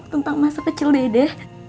tentang masa kecil dede